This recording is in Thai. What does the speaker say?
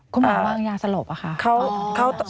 คุณหมอวางยาสลบอะค่ะ